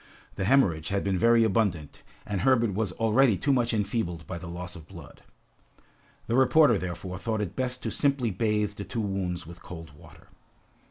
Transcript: The hemorrhage had been very abundant, and Herbert was already too much enfeebled by the loss of blood. The reporter, therefore, thought it best to simply bathe the two wounds with cold water.